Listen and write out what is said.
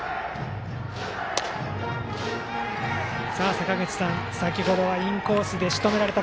坂口さん、先程はインコースでしとめられた。